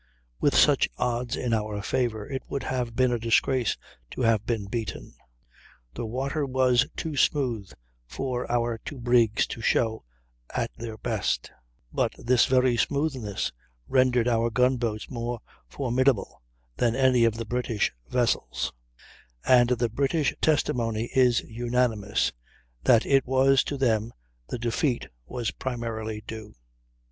With such odds in our favor it would have been a disgrace to have been beaten. The water was too smooth for our two brigs to show at their best; but this very smoothness rendered our gun boats more formidable than any of the British vessels, and the British testimony is unanimous, that it was to them the defeat was primarily due.